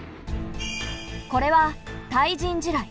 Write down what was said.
これは対人地雷。